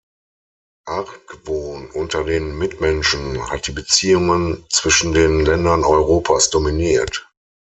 Argwohn unter den Mitmenschen hat die Beziehungen zwischen den Ländern Europas dominiert.